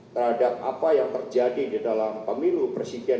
terhadap apa yang terjadi di dalam pemilu presiden